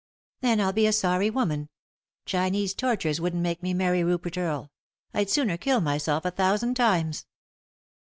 "Then I'll be a sorry woman, Chinese tortures wouldn't make me marry Rupert Earle; I'd sooner kill myself a thousand times."